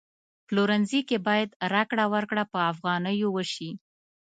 پلورنځي کی باید راکړه ورکړه په افغانیو وشي